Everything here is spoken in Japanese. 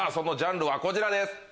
ジャンルはこちらです。